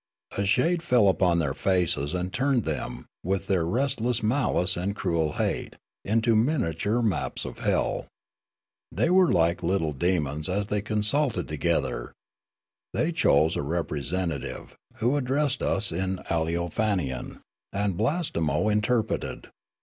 A shade fell upon their faces and turned them, with their restless malice and cruel hate, into miniature maps of hell. They were like little demons 320 Coxuria 321 as they consulted together. They chose a represent ative, who addressed us in Aleofanian, and Blastemo interpreted.